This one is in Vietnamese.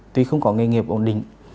tuy không có nghề nghiệp ổn định